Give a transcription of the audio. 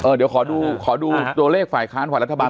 เดี๋ยวขอดูขอดูตัวเลขฝ่ายค้านฝ่ายรัฐบาล